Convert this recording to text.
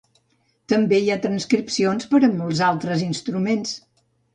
També hi ha transcripcions per a molts altres instruments.